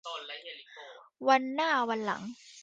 วันหน้าวันหลัง